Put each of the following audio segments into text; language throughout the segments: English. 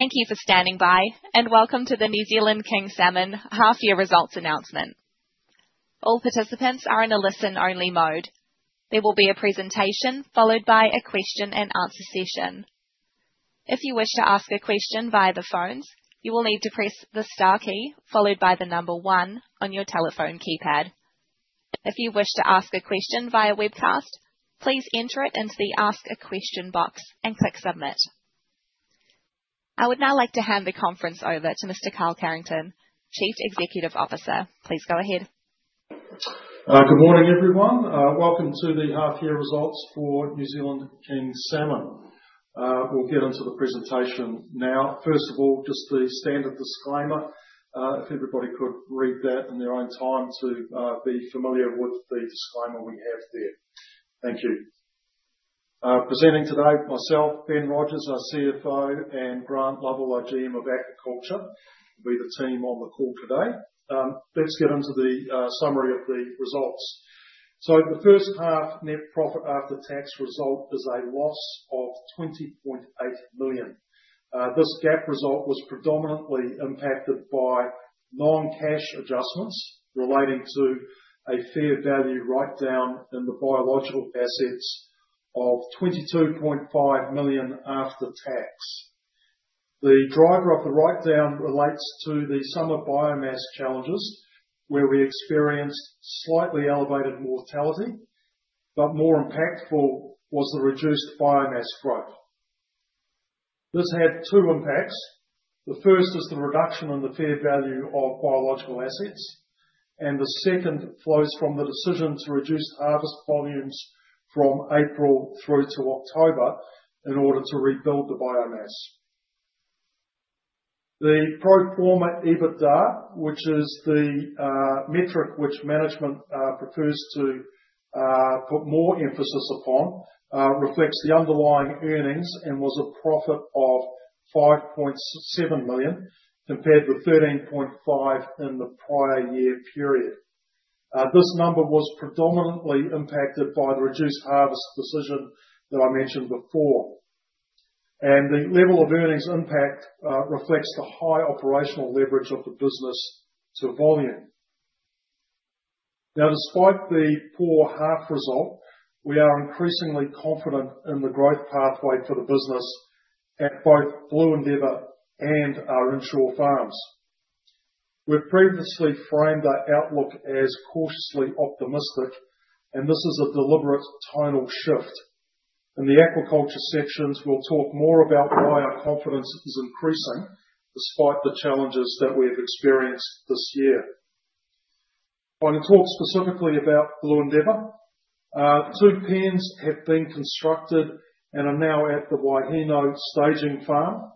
Thank you for standing by, and welcome to the New Zealand King Salmon Half-year Results announcement. All participants are in a listen-only mode. There will be a presentation followed by a question-and-answer session. If you wish to ask a question via the phones, you will need to press the star key followed by the number one on your telephone keypad. If you wish to ask a question via webcast, please enter it into the Ask a Question box and click Submit. I would now like to hand the conference over to Mr. Carl Carrington, Chief Executive Officer. Please go ahead. Good morning, everyone. Welcome to the half-year results for New Zealand King Salmon. We'll get into the presentation now. First of all, just the standard disclaimer, if everybody could read that in their own time to be familiar with the disclaimer we have there. Thank you. Presenting today, myself, Ben Rodgers, our CFO, and Grant Lovell, our GM of Aquaculture, will be the team on the call today. Let's get into the summary of the results. The first half net profit after tax result is a loss of 20.8 million. This GAAP result was predominantly impacted by non-cash adjustments relating to a fair value write-down in the biological assets of 22.5 million after tax. The driver of the write-down relates to the summer biomass challenges, where we experienced slightly elevated mortality, but more impactful was the reduced biomass growth. This had two impacts. The first is the reduction in the fair value of biological assets, and the second flows from the decision to reduce harvest volumes from April through to October in order to rebuild the biomass. The pro forma EBITDA, which is the metric which management prefers to put more emphasis upon, reflects the underlying earnings and was a profit of 5.7 million compared with 13.5 million in the prior year period. This number was predominantly impacted by the reduced harvest decision that I mentioned before, and the level of earnings impact reflects the high operational leverage of the business to volume. Now, despite the poor half result, we are increasingly confident in the growth pathway for the business at both Blue Endeavour and our inshore farms. We've previously framed our outlook as cautiously optimistic, and this is a deliberate tonal shift. In the agriculture sections, we'll talk more about why our confidence is increasing despite the challenges that we have experienced this year. If I can talk specifically about Blue Endeavour, two pens have been constructed and are now at the Waihinau staging farm.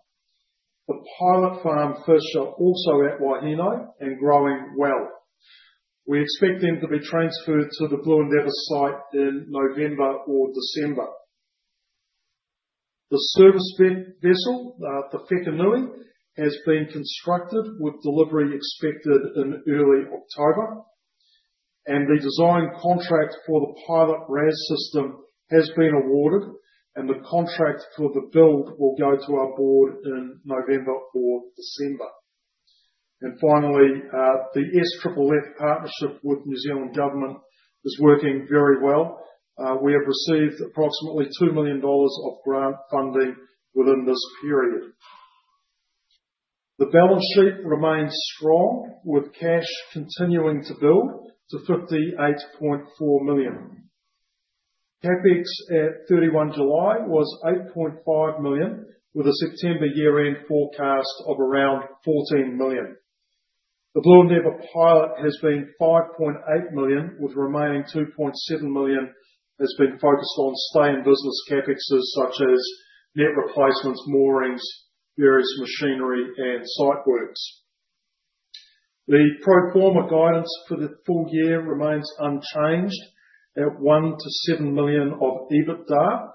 The pilot farm fish are also at Waihinau and growing well. We expect them to be transferred to the Blue Endeavour site in November or December. The service vessel, the Tikonui, has been constructed with delivery expected in early October. The design contract for the pilot RAS system has been awarded, and the contract for the build will go to our board in November or December. Finally, the SFFF partnership with New Zealand government is working very well. We have received approximately 2 million dollars of grant funding within this period. The balance sheet remains strong, with cash continuing to build to 58.4 million. CapEx at 31 July was 8.5 million, with a September year-end forecast of around 14 million. The Blue Endeavour pilot has been 5.8 million, with the remaining 2.7 million focused on stay-in-business CapEx such as net replacements, moorings, various machinery, and site works. The pro forma guidance for the full year remains unchanged at 1 to 7 million of EBITDA,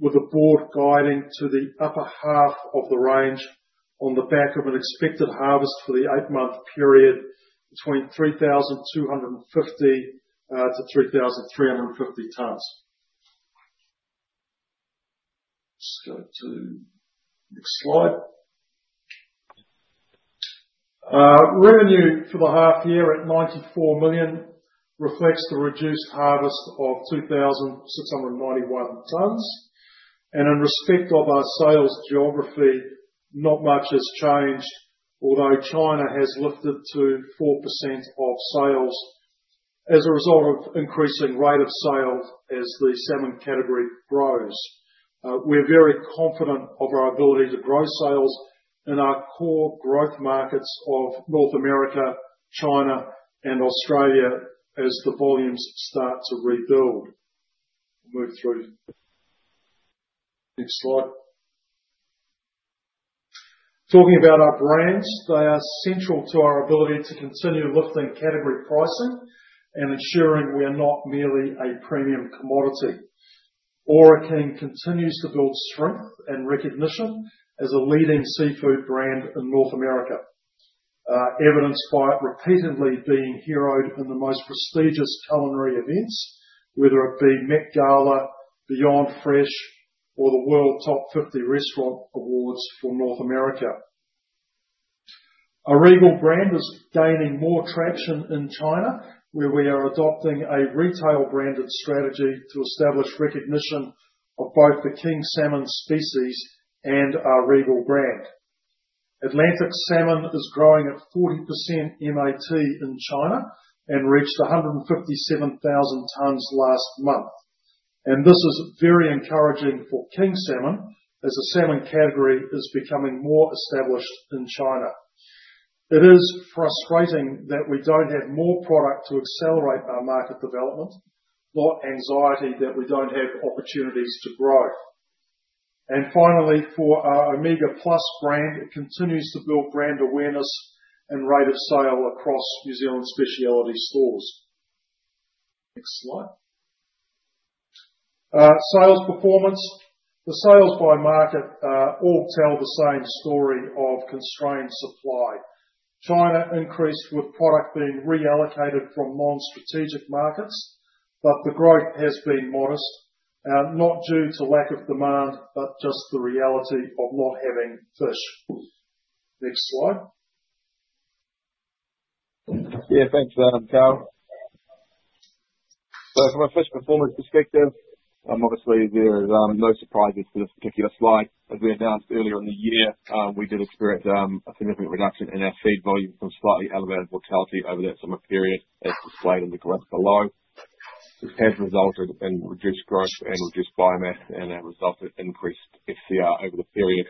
with the board guiding to the upper half of the range on the back of an expected harvest for the eight-month period between 3,250 to 3,350 tonnes. Let's go to the next slide. Revenue for the half year at 94 million reflects the reduced harvest of 2,691 tonnes. In respect of our sales geography, not much has changed, although China has lifted to 4% of sales as a result of increasing rate of sale as the salmon category grows. We're very confident of our ability to grow sales in our core growth markets of North America, China, and Australia as the volumes start to rebuild. Move through the next slide. Talking about our brands, they are central to our ability to continue lifting category pricing and ensuring we are not merely a premium commodity. Ōra King continues to build strength and recognition as a leading seafood brand in North America, evidenced by repeatedly being heroed in the most prestigious culinary events, whether it be Met Gala, Beyond Fresh, or the World's 50 Best Restaurants for North America. Our Regal brand is gaining more traction in China, where we are adopting a retail-branded strategy to establish recognition of both the king salmon species and our Regal brand. Atlantic salmon is growing at 40% MAT in China and reached 157,000 tonnes last month. This is very encouraging for King salmon as the salmon category is becoming more established in China. It is frustrating that we don't have more product to accelerate our market development, not anxiety that we don't have opportunities to grow. Finally, for our Omega Plus brand, it continues to build brand awareness and rate of sale across New Zealand specialty stores. Next slide. Sales performance. The sales by market all tell the same story of constrained supply. China increased with product being reallocated from non-strategic markets, but the growth has been modest, not due to lack of demand, but just the reality of not having fish. Next slide. Yeah, thanks, Carl. So from a fish performance perspective, obviously, there are no surprises to this particular slide. As we announced earlier in the year, we did experience a significant reduction in our seed volume from slightly elevated mortality over that summer period, as displayed in the graph below. This has resulted in reduced growth and reduced biomass, and it resulted in increased FCR over the period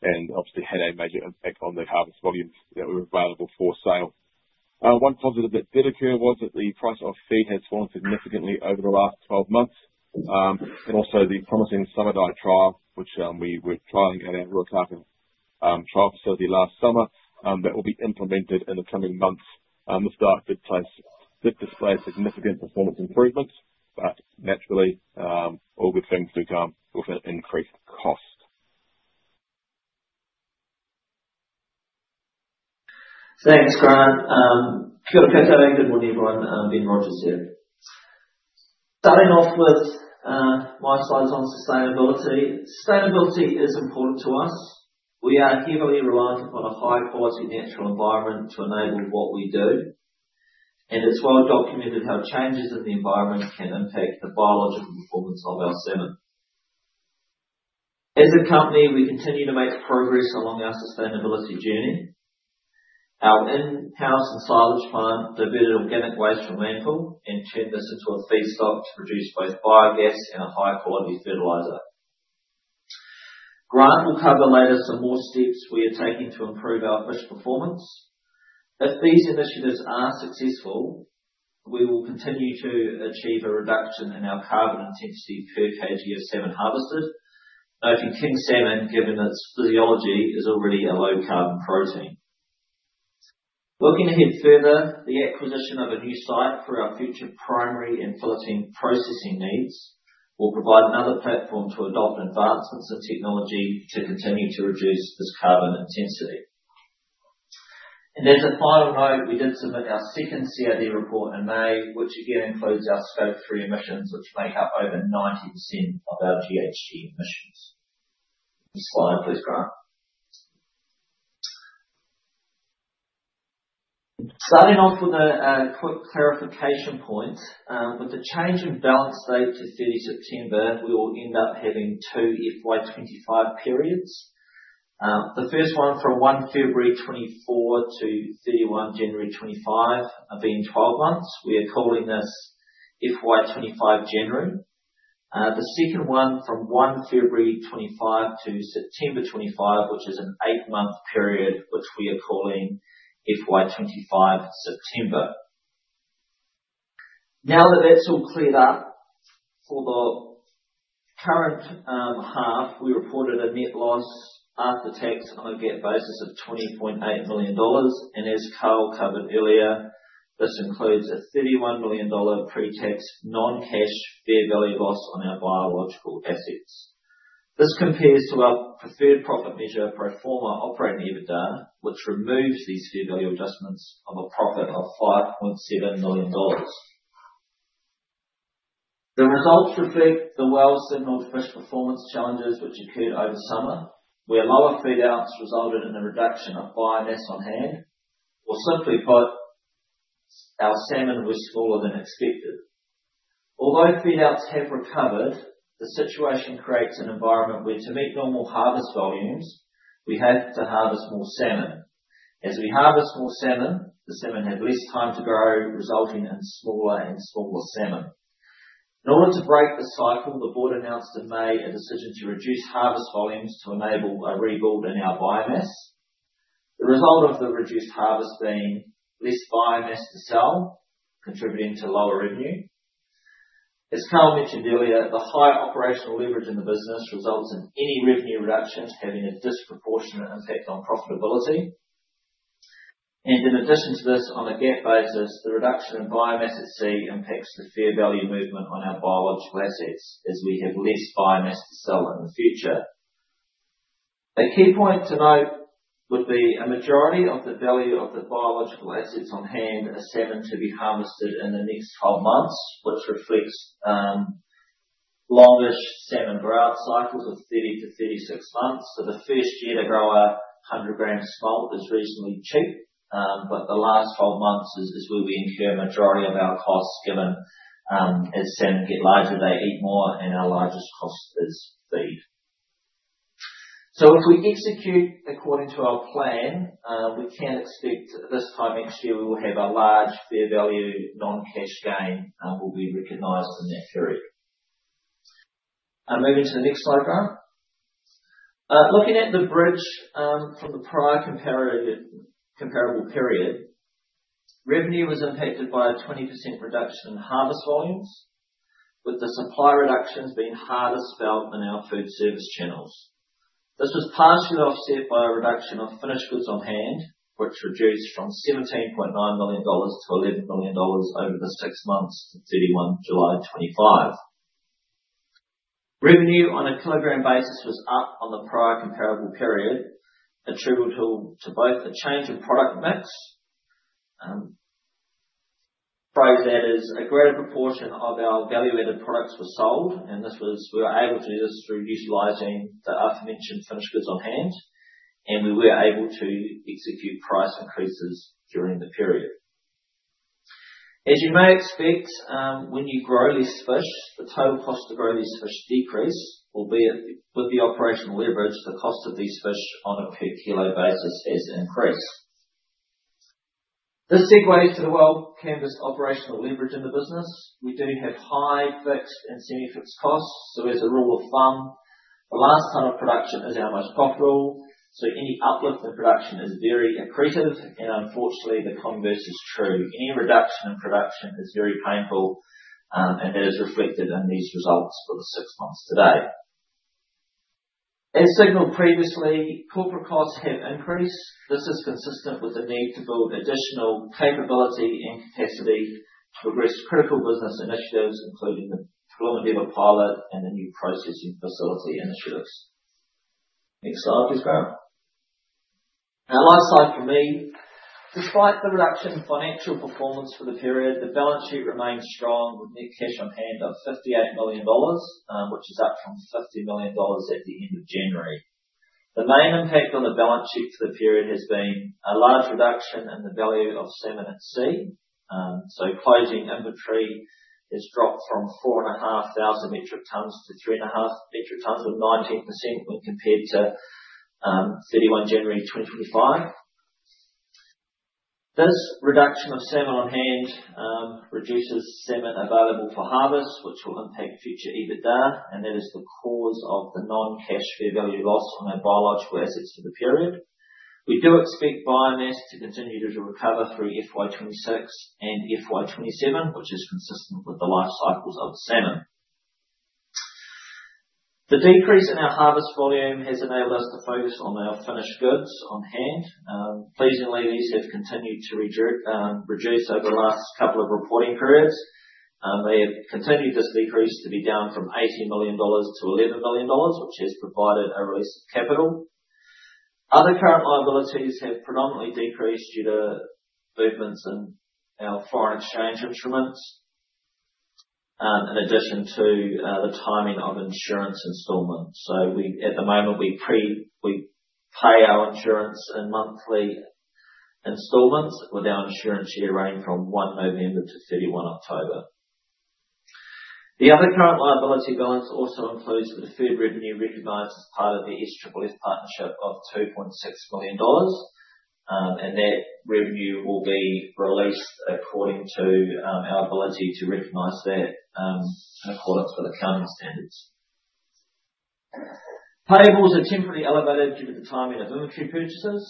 and obviously had a major impact on the harvest volumes that were available for sale. One positive that did occur was that the price of feed has fallen significantly over the last 12 months. And also the promising summer diet trial, which we were trialing at our Ruakaka Trial Facility last summer, that will be implemented in the coming months. This diet did display significant performance improvements, but naturally, all good things do come with an increased cost. Thanks, Grant. Kia ora. Good morning, everyone. Ben Rogers here. Starting off with my slides on sustainability. Sustainability is important to us. We are heavily reliant upon a high-quality natural environment to enable what we do, and it's well documented how changes in the environment can impact the biological performance of our salmon. As a company, we continue to make progress along our sustainability journey. Our in-house silage farm diverted organic waste from landfill and turned this into a feedstock to produce both biogas and a high-quality fertilizer. Grant will cover later some more steps we are taking to improve our fish performance. If these initiatives are successful, we will continue to achieve a reduction in our carbon intensity per kg of salmon harvested, noting king salmon, given its physiology, is already a low-carbon protein. Looking ahead further, the acquisition of a new site for our future primary and filtering processing needs will provide another platform to adopt advancements in technology to continue to reduce this carbon intensity. And as a final note, we did submit our second CRD report in May, which again includes our Scope 3 emissions, which make up over 90% of our GHG emissions. Next slide, please, Grant. Starting off with a quick clarification point. With the change in balance date to 30 September, we will end up having two FY 2025 periods. The first one from 1 February 2024 to 31 January 2025 are being 12 months. We are calling this FY 2025 January. The second one from 1 February 2025 to September 2025, which is an eight-month period, which we are calling FY2025 September. Now that that's all cleared up for the current half, we reported a net loss after tax on a GAAP basis of 20.8 million dollars, and as Carl covered earlier, this includes a 31 million dollar pre-tax non-cash fair value loss on our biological assets. This compares to our preferred profit measure, pro forma operating EBITDA, which removes these fair value adjustments of a profit of 5.7 million dollars. The results reflect the well-signaled fish performance challenges which occurred over summer, where lower feed outs resulted in a reduction of biomass on hand, or simply put, our salmon was smaller than expected. Although feed outs have recovered, the situation creates an environment where, to meet normal harvest volumes, we have to harvest more salmon. As we harvest more salmon, the salmon have less time to grow, resulting in smaller and smaller salmon. In order to break the cycle, the board announced in May a decision to reduce harvest volumes to enable a rebuild in our biomass. The result of the reduced harvest being less biomass to sell, contributing to lower revenue. As Carl mentioned earlier, the high operational leverage in the business results in any revenue reductions having a disproportionate impact on profitability, and in addition to this, on a GAAP basis, the reduction in biomass at sea impacts the fair value movement on our biological assets as we have less biomass to sell in the future. A key point to note would be a majority of the value of the biological assets on hand are salmon to be harvested in the next 12 months, which reflects longish salmon growth cycles of 30-36 months. For the first year to grow a 100-gram smolt is reasonably cheap, but the last 12 months is where we incur a majority of our costs given as salmon get larger, they eat more, and our largest cost is feed. So if we execute according to our plan, we can expect this time next year we will have a large fair value non-cash gain will be recognized in that period. Moving to the next slide, Grant. Looking at the bridge from the prior comparable period, revenue was impacted by a 20% reduction in harvest volumes, with the supply reductions being harder hit than our food service channels. This was partially offset by a reduction of finished goods on hand, which reduced from 17.9 million-11 million dollars over the six months to 31 July 2025. Revenue on a kilogram basis was up on the prior comparable period attributable to both the change in product mix. That is, a greater proportion of our value-added products were sold, and this, we were able to do this through utilizing the aforementioned finished goods on hand, and we were able to execute price increases during the period. As you may expect, when you grow these fish, the total cost to grow these fish decrease, albeit with the operational leverage, the cost of these fish on a per kilo basis has increased. This segues to the well-canvassed operational leverage in the business. We do have high fixed and semi-fixed costs. So as a rule of thumb, the last ton of production is our most profitable. So any uplift in production is very accretive, and unfortunately, the converse is true. Any reduction in production is very painful, and that is reflected in these results for the six months today. As signalled previously, corporate costs have increased. This is consistent with the need to build additional capability and capacity to progress critical business initiatives, including the BE Pilot and the new processing facility initiatives. Next slide, please, Grant. Now, last slide for me. Despite the reduction in financial performance for the period, the balance sheet remains strong with net cash on hand of 58 million dollars, which is up from 50 million dollars at the end of January. The main impact on the balance sheet for the period has been a large reduction in the value of salmon at sea. So closing inventory has dropped from 4,500-3,500mt with 19% when compared to 31 January 2025. This reduction of salmon on hand reduces salmon available for harvest, which will impact future EBITDA, and that is the cause of the non-cash fair value loss on our biological assets for the period. We do expect biomass to continue to recover through FY 2026 and FY 2027, which is consistent with the life cycles of salmon. The decrease in our harvest volume has enabled us to focus on our finished goods on hand. Pleasingly, these have continued to reduce over the last couple of reporting periods. They have continued this decrease to be down from 18 million-11 million dollars, which has provided a release of capital. Other current liabilities have predominantly decreased due to movements in our foreign exchange instruments, in addition to the timing of insurance installments. So at the moment, we pay our insurance in monthly installments with our insurance year running from 1 November to 31 October. The other current liability balance also includes the deferred revenue recognized as part of the SFFF partnership of 2.6 million dollars. That revenue will be released according to our ability to recognize that in accordance with accounting standards. Payables are temporarily elevated due to the timing of inventory purchases.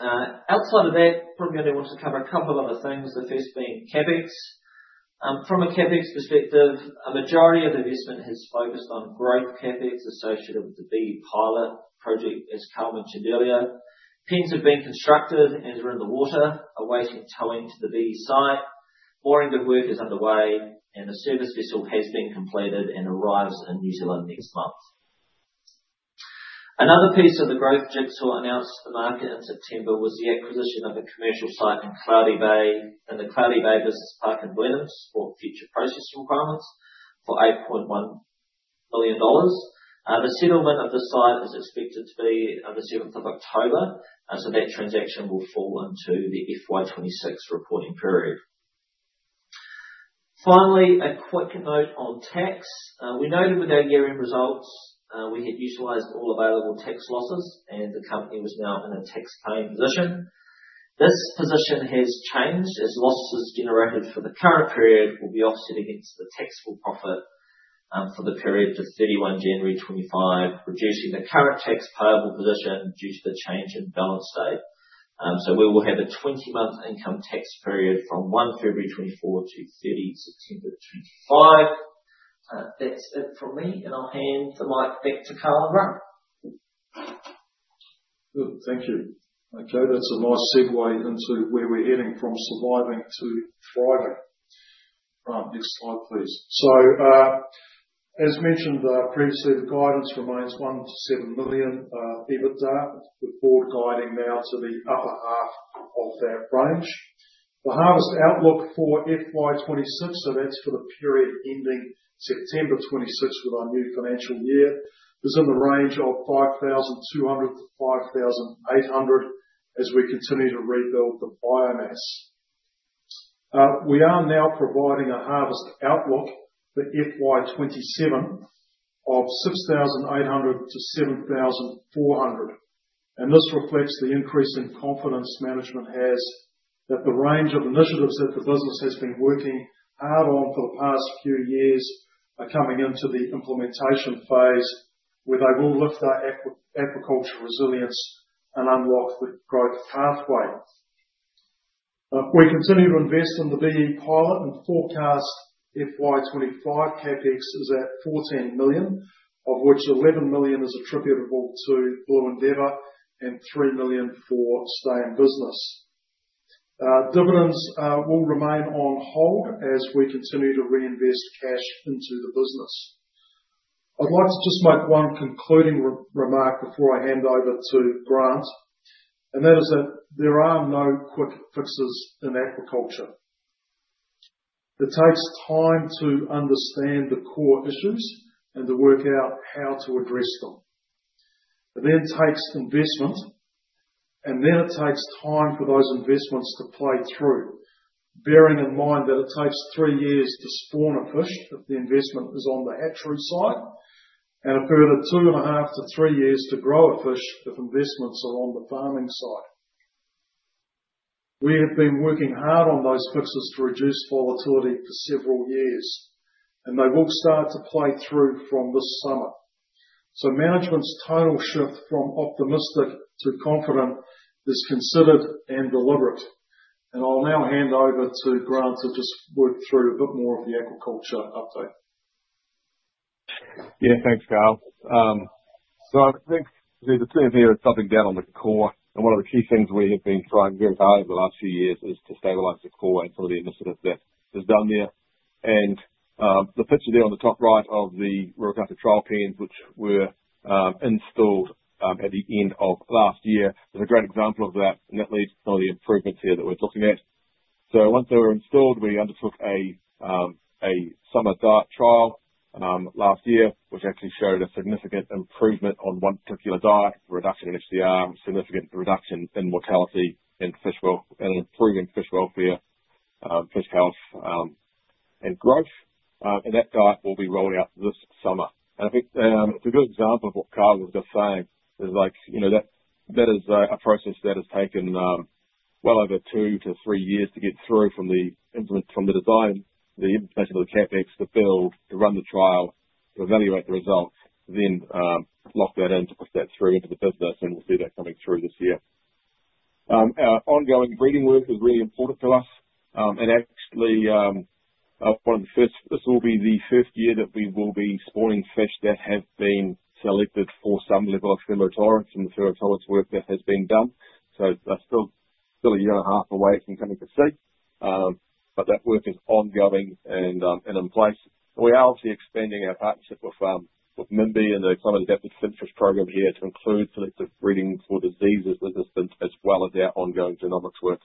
Outside of that, probably only want to cover a couple of other things, the first being CapEx. From a CapEx perspective, a majority of investment has focused on growth CapEx associated with the BE Pilot project, as Carl mentioned earlier. Pens have been constructed and are in the water, awaiting towing to the BE site. Mooring good work is underway, and the service vessel has been completed and arrives in New Zealand next month. Another piece of the growth jigsaw announced to the market in September was the acquisition of a commercial site in Cloudy Bay and the Cloudy Bay Business Park in Blenheim for future processing requirements for 8.1 million dollars. The settlement of the site is expected to be on the 7th of October. So that transaction will fall into the FY26 reporting period. Finally, a quick note on tax. We noted with our year-end results, we had utilized all available tax losses, and the company was now in a tax-paying position. This position has changed as losses generated for the current period will be offset against the taxable profit for the period to 31 January 2025, reducing the current tax-payable position due to the change in balance state. So we will have a 20-month income tax period from 1 February 2024 to 30 September 2025. That's it from me, and I'll hand the mic back to Carl and Grant. Thank you. Okay, that's a nice segue into where we're heading from surviving to thriving. Grant, next slide, please. So as mentioned previously, the guidance remains 1-7 million EBITDA, with the Board guiding now to the upper half of that range. The harvest outlook for FY26, so that's for the period ending September 2026 with our new financial year, is in the range of 5,200-5,800 as we continue to rebuild the biomass. We are now providing a harvest outlook for FY 2027 of 6,800-7,400. And this reflects the increase in confidence management has that the range of initiatives that the business has been working hard on for the past few years are coming into the implementation phase, where they will lift our aquaculture resilience and unlock the growth pathway. We continue to invest in the BE Pilot and forecast FY2025 CapEx is at 14 million, of which 11 million is attributable to Blue Endeavour and 3 million for stay in business. Dividends will remain on hold as we continue to reinvest cash into the business. I'd like to just make one concluding remark before I hand over to Grant, and that is that there are no quick fixes in aquaculture. It takes time to understand the core issues and to work out how to address them. It then takes investment, and then it takes time for those investments to play through, bearing in mind that it takes three years to spawn a fish if the investment is on the hatchery side, and a further two and a half to three years to grow a fish if investments are on the farming side. We have been working hard on those fixes to reduce volatility for several years, and they will start to play through from this summer. So management's total shift from optimistic to confident is considered and deliberate. And I'll now hand over to Grant to just work through a bit more of the aquaculture update. Yeah, thanks, Carl. So I think there's a certain area of something down on the core. And one of the key things we have been trying very hard over the last few years is to stabilize the core and some of the initiatives that is done there. And the picture there on the top right of the Ruakaka Trial Pens, which were installed at the end of last year, is a great example of that. And that leads to some of the improvements here that we're looking at. So once they were installed, we undertook a summer diet trial last year, which actually showed a significant improvement on one particular diet, reduction in HCR, significant reduction in mortality and improving fish welfare, fish health, and growth. And that diet will be rolled out this summer. And I think it's a good example of what Carl was just saying. It's like, that is a process that has taken well over two to three years to get through from the design, the implementation of the CapEx, the build, to run the trial, to evaluate the results, then lock that in to push that through into the business. And we'll see that coming through this year. Our ongoing breeding work is really important to us. And actually, this will be the first year that we will be spawning fish that have been selected for some level of pheromone from the pheromone work that has been done. So that's still a year and a half away from coming to sea. But that work is ongoing and in place. And we are obviously expanding our partnership with NIWA and the Climate Adapted Fish Program here to include selective breeding for disease resistance, as well as our ongoing genomics work.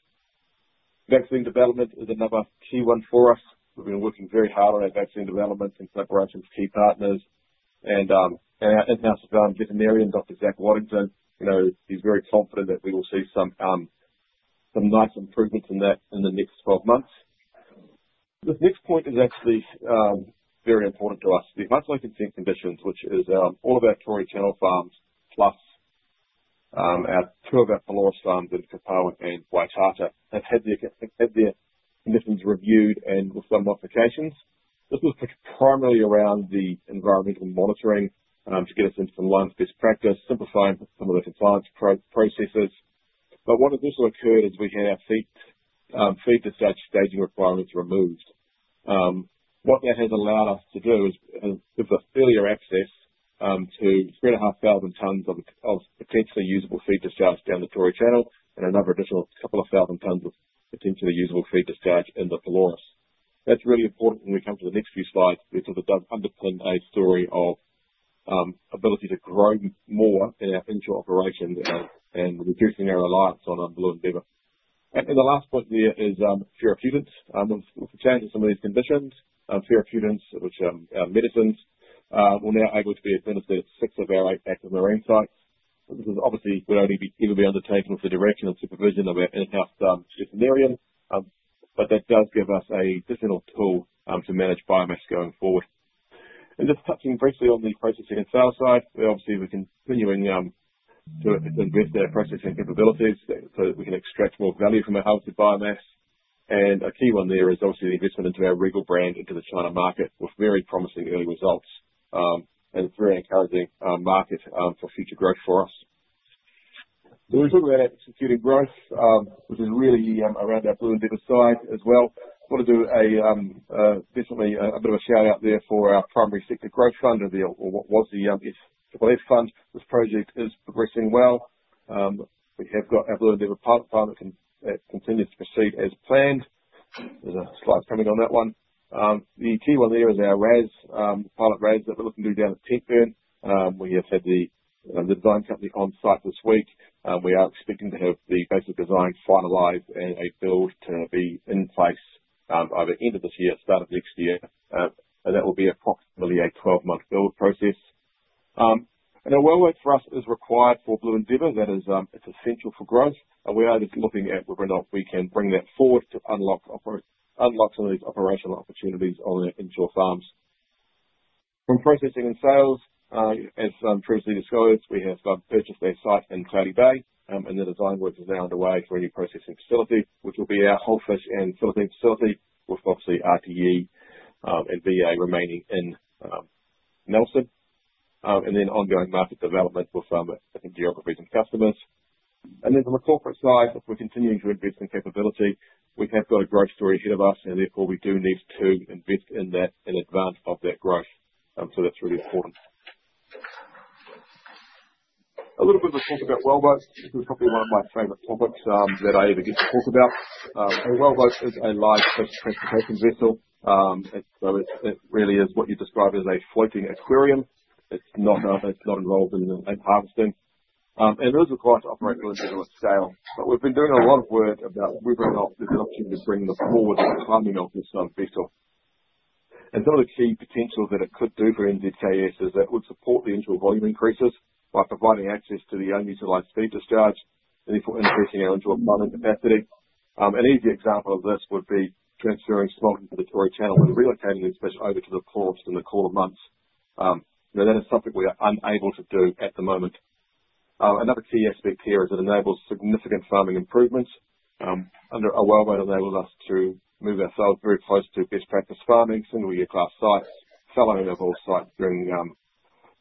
Vaccine development is another key one for us. We've been working very hard on our vaccine development in collaboration with key partners. Our in-house veterinarian, Dr. Zac Watterson, he's very confident that we will see some nice improvements in that in the next 12 months. This next point is actually very important to us. The aquatic safe conditions, which is all of our Tory Channel farms, plus two of our Pelorus farms in Kopaua and Waitata, have had their conditions reviewed and with some modifications. This was primarily around the environmental monitoring to get us into some leading best practice, simplifying some of the compliance processes. What additionally occurred is we had our feed dispatch staging requirements removed. What that has allowed us to do is give us earlier access to 3,500 tons of potentially usable feed discharge down the Tory Channel and another additional couple of thousand tons of potentially usable feed discharge in the Pelorus. That's really important when we come to the next few slides, because it does underpin a story of ability to grow more in our finisher operations and reducing our reliance on Blue Endeavour. The last point here is therapeutants. With the change in some of these conditions, therapeutants, which are medicines, will now be able to be administered at six of our eight active marine sites. This will obviously only be able to be undertaken with the direction and supervision of our in-house veterinarian. That does give us an additional tool to manage biomass going forward. Just touching briefly on the processing and sale side, we're obviously continuing to invest in our processing capabilities so that we can extract more value from our harvested biomass. A key one there is obviously the investment into our Regal brand into the China market, with very promising early results and a very encouraging market for future growth for us. When we talk about executing growth, which is really around our Blue Endeavour side as well, I want to do definitely a bit of a shout-out there for our Primary Sector Growth Fund, or what was the SFFF Fund. This project is progressing well. We have got our Blue Endeavour Pilot Fund that continues to proceed as planned. There's a slide coming on that one. The key one there is our RAS, Pilot RAS that we're looking to do down at Tentburn. We have had the design company on site this week. We are expecting to have the basic design finalized and a build to be in place by the end of this year, start of next year, and that will be approximately a 12-month build process. A wellboat for us is required for Blue Endeavour. That is, it is essential for growth, and we are just looking at whether or not we can bring that forward to unlock some of these operational opportunities on our inshore farms. From processing and sales, as previously disclosed, we have purchased a site in Cloudy Bay, and the design work is now underway for a new processing facility, which will be our whole fish and fillet facility, with obviously RTE and VA remaining in Nelson. Then ongoing market development with geographies and customers. And then from a corporate side, we're continuing to invest in capability. We have got a growth story ahead of us, and therefore we do need to invest in that in advance of that growth. So that's really important. A little bit of a talk about wellboats. This is probably one of my favorite topics that I ever get to talk about. A wellboat is a large transportation vessel. And so it really is what you describe as a floating aquarium. It's not involved in harvesting. And it is required to operate on a scale. But we've been doing a lot of work about whether or not there's an opportunity to bring the forward timing of this vessel. Some of the key potential that it could do for NZKS is that it would support the in situ volume increases by providing access to the unutilized feed discharge and therefore increasing our in situ farming capacity. An easy example of this would be transferring smolts to the Tory Channel and relocating this fish over to the port in the cooler months. That is something we are unable to do at the moment. Another key aspect here is it enables significant farming improvements. A wellboat enables us to move ourselves very close to best practice farming, single-year-class sites, seeding of all sites during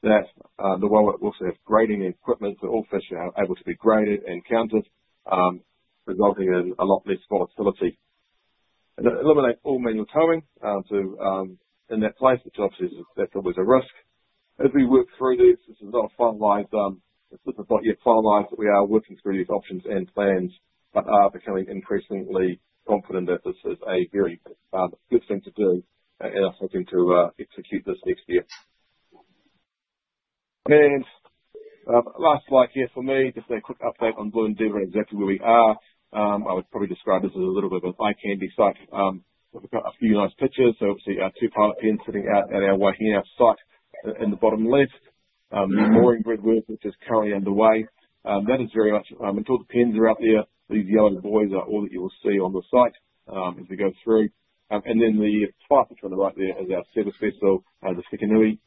that. The wellboat also has grading equipment, so all fish are able to be graded and counted, resulting in a lot less volatility. It eliminates all manual towing in that place, which obviously is always a risk. As we work through this, this is not finalized. It's just not yet finalized that we are working through these options and plans, but are becoming increasingly confident that this is a very good thing to do, and are hoping to execute this next year, and last slide here for me, just a quick update on Blue Endeavour and exactly where we are. I would probably describe this as a little bit of an eye candy site. We've got a few nice pictures. So obviously our two pilot pens sitting out at our Waihinau site in the bottom left. The mooring grid work, which is currently underway. That is very much until the pens are out there, these yellow boys are all that you will see on the site as we go through, and then the vessel on the right there is our service vessel, the Tīkonui.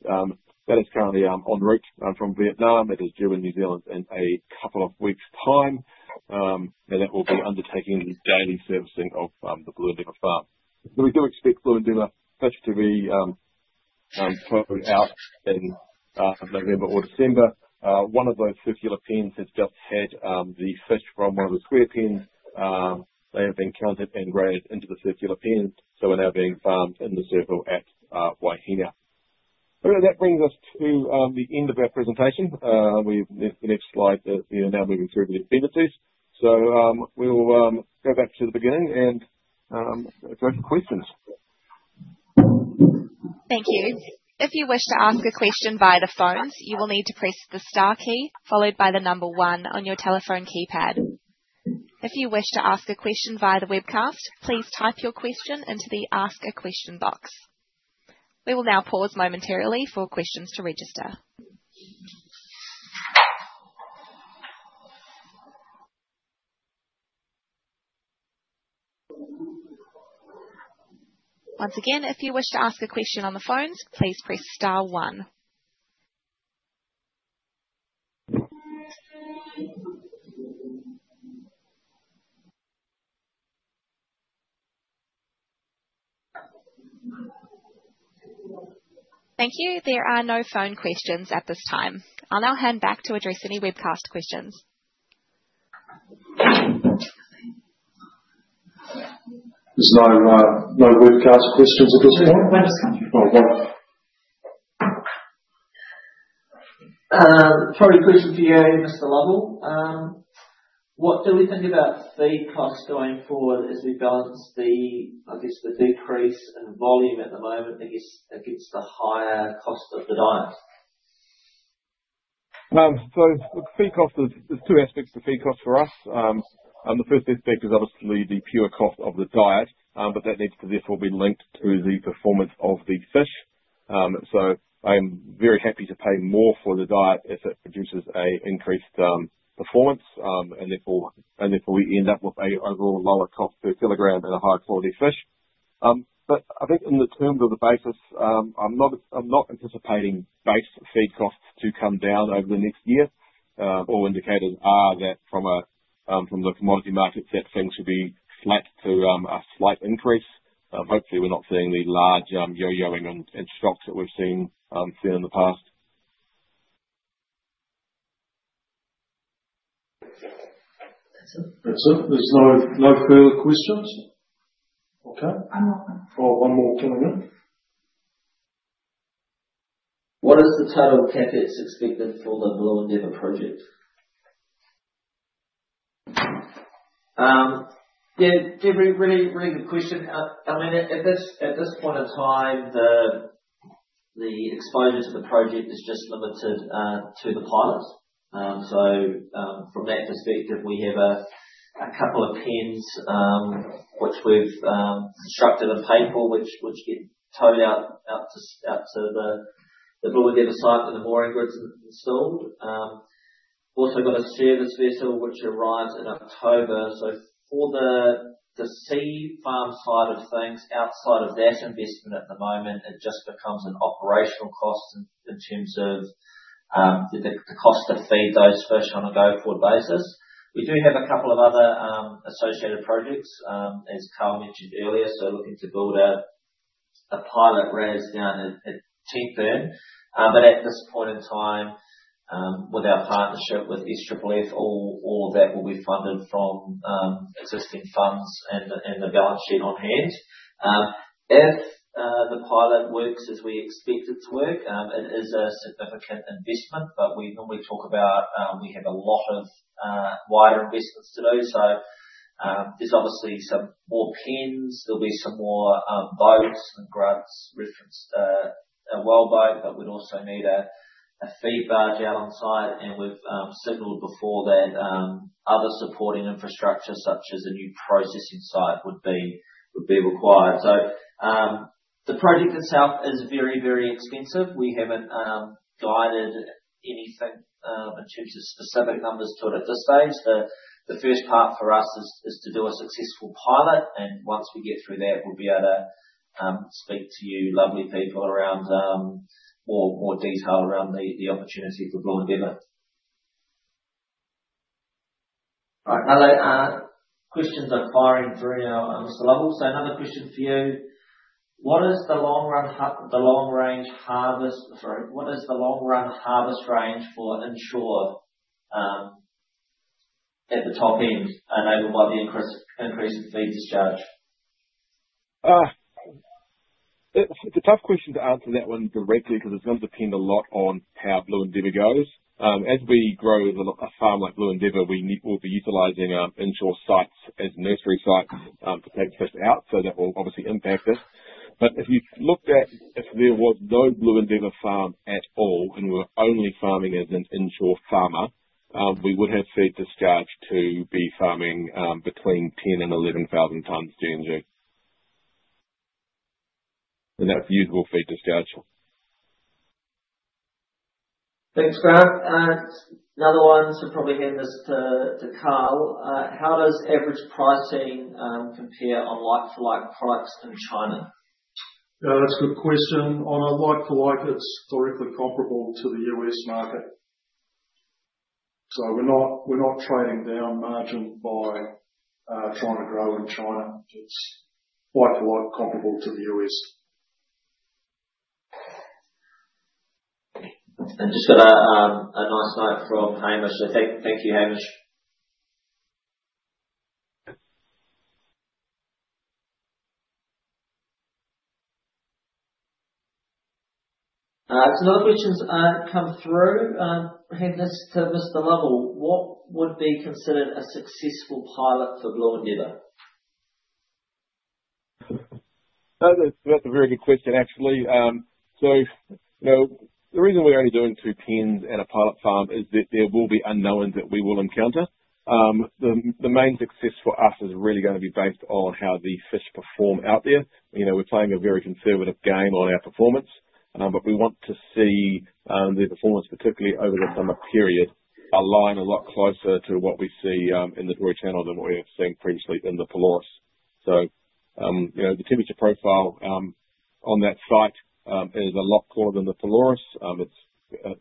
That is currently en route from Vietnam. It is due in New Zealand in a couple of weeks' time, and that will be undertaking the daily servicing of the Blue Endeavour farm, so we do expect Blue Endeavour fish to be towed out in November or December. One of those circular pens has just had the fish from one of the square pens. They have been counted and graded into the circular pens, so we're now being farmed in the circle at Waihinau, so that brings us to the end of our presentation. The next slide is now moving through the appendices, so we will go back to the beginning and go to questions. Thank you. If you wish to ask a question via the phone, you will need to press the star key followed by the number one on your telephone keypad. If you wish to ask a question via the webcast, please type your question into the ask a question box. We will now pause momentarily for questions to register. Once again, if you wish to ask a question on the phone, please press star one. Thank you. There are no phone questions at this time. I'll now hand back to address any webcast questions. There's no webcast questions at this point. Probably a question for you, Mr. Lovell. What do we think about feed costs going forward as we balance the, I guess, the decrease in volume at the moment against the higher cost of the diet? So, feed costs is two aspects to feed costs for us. The first aspect is obviously the pure cost of the diet, but that needs to therefore be linked to the performance of the fish. So, I'm very happy to pay more for the diet if it produces an increased performance. And therefore we end up with an overall lower cost per kilogram and a higher quality fish. But I think in the terms of the basis, I'm not anticipating base feed costs to come down over the next year. All indicators are that from the commodity markets that things should be flat to a slight increase. Hopefully, we're not seeing the large yo-yoing and shocks that we've seen in the past. Excellent. There's no further questions. Okay. One more coming in. What is the total CapEx expected for the Blue Endeavour project? Yeah, really good question. I mean, at this point in time, the exposure to the project is just limited to the pilot. So from that perspective, we have a couple of pens which we've constructed and paid for, which get towed out to the Blue Endeavour site and the mooring grids installed. We've also got a service vessel which arrives in October. So for the sea farm side of things, outside of that investment at the moment, it just becomes an operational cost in terms of the cost to feed those fish on a go-forward basis. We do have a couple of other associated projects, as Carl mentioned earlier, so looking to build a pilot RAS down at Tentburn. But at this point in time, with our partnership with SFFF, all of that will be funded from existing funds and the balance sheet on hand. If the pilot works as we expect it to work, it is a significant investment, but we normally talk about, we have a lot of wider investments to do. So there's obviously some more pens. There'll be some more boats and groups referenced wellboat, but we'd also need a feed barge out on site. And we've signaled before that other supporting infrastructure, such as a new processing site, would be required. So the project itself is very, very expensive. We haven't guided anything in terms of specific numbers to it at this stage. The first part for us is to do a successful pilot. And once we get through that, we'll be able to speak to you lovely people around more detail around the opportunity for Blue Endeavour. All right. Hello. Questions are firing through now, Mr. Lovell. So another question for you. What is the long-run harvest range for inshore at the top end enabled by the increase in feed discharge? It's a tough question to answer that one directly because it's going to depend a lot on how Blue Endeavour goes. As we grow a farm like Blue Endeavour, we will be utilizing inshore sites as nursery sites to take fish out, so that will obviously impact us, but if you looked at if there was no Blue Endeavour farm at all and we were only farming as an inshore farmer, we would have feed discharge to be farming between 10,000 and 11,000 tonnes during the year, and that's usual feed discharge. Thanks, Grant. Another one should probably hand this to Carl. How does average pricing compare on like-for-like products in China? That's a good question. On a like-for-like, it's historically comparable to the U.S. market. So we're not trading down margin by trying to grow in China. It's like-for-like comparable to the U.S. And just got a nice note from Hamish. So thank you, Hamish. So another question's come through. Hand this to Mr. Lovell. What would be considered a successful pilot for Blue Endeavour? That's a very good question, actually. So the reason we're only doing two pens and a pilot farm is that there will be unknowns that we will encounter. The main success for us is really going to be based on how the fish perform out there. We're playing a very conservative game on our performance, but we want to see the performance, particularly over the summer period, align a lot closer to what we see in the Tory Channel than what we have seen previously in the Pelorus. So the temperature profile on that site is a lot cooler than the Pelorus. It's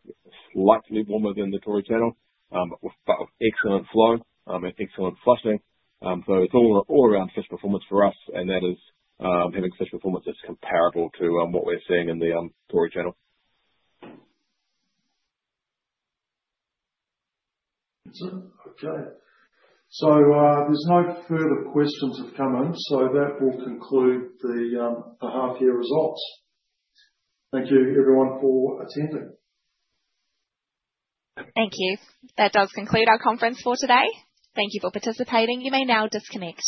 slightly warmer than the Tory Channel, but with excellent flow and excellent flushing. So it's all around fish performance for us, and that is having fish performance that's comparable to what we're seeing in the Tory Channel. Excellent. Okay. So there's no further questions have come in. So that will conclude the half-year results. Thank you, everyone, for attending. Thank you. That does conclude our conference for today. Thank you for participating. You may now disconnect.